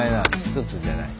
一つじゃない。